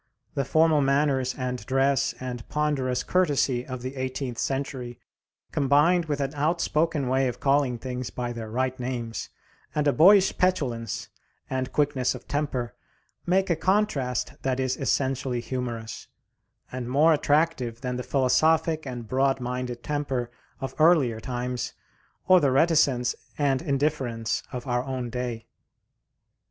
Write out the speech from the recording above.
The formal manners and dress and ponderous courtesy of the eighteenth century, combined with an outspoken way of calling things by their right names and a boyish petulance and quickness of temper, make a contrast that is essentially humorous, and more attractive than the philosophic and broad minded temper of earlier times or the reticence and indifference of our own day.